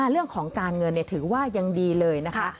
เรื่องของการเงินถือว่ายังดีเลยนะคะ